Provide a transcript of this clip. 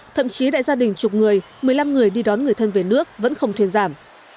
thậm chí đại gia đình chục người một mươi năm người đi đón người thân về nước vẫn không thuyền giảm